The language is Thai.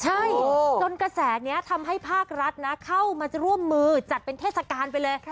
ใช่จนกระแสนี้ทำให้ภาครัฐนะเข้ามาร่วมมือจัดเป็นเทศกาลไปเลย